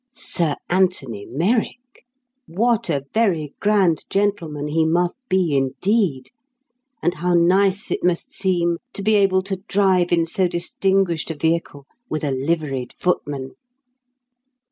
Sir Anthony Merrick! What a very grand gentleman he must be indeed, and how nice it must seem to be able to drive in so distinguished a vehicle with a liveried footman.